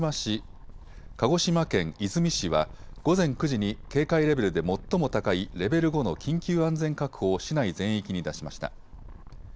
鹿児島県出水市は午前９時に警戒レベルで最も高いレベル５の緊急安全確保を市内全域に出しました。